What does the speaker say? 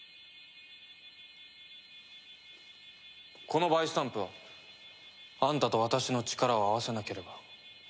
このバイスタンプはあんたと私の力を合わせなければ恐らく完成しない。